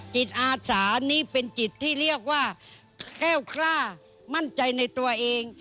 จิตอาสานี่เป็นจิตที่เรียกว่าแก้วคล่ามั่นใจในตัวเอง